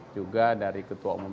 juga dari ketua umum